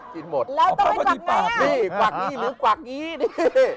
แล้วต้องไปกวากไหนนี่กวากนี่หรือกวากอี๋นี่